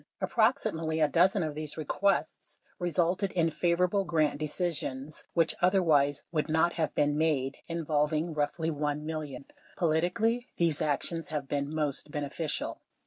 Approximately a dozen of these requests resulted in favorable grant decisions (which otherwise would not have been made) involving roughly $1 million. Politically these actions have been most beneficial.